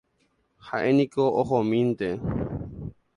Ha'éniko ohomínte.